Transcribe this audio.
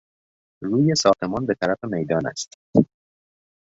روی ساختمان به طرف میدان است.